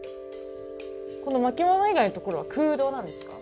この巻物以外のところは空洞なんですか？